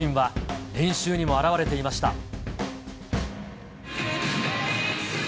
その自信は練習にも表れていました。